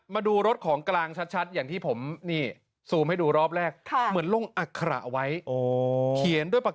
มันก็เลยเรียกดาวน์ขึ้นไปเก็บรถอื่นไม่ได้ที่โค้นไว้